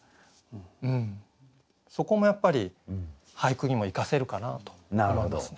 そこもやっぱり俳句にも生かせるかなと思いますね。